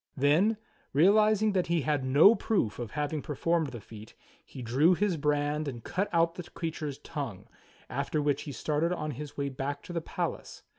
Then, realizing that he had no proof of having performed the feat, he drew his brand and cut out the creature's tongue, after which he started on his way back to the palace.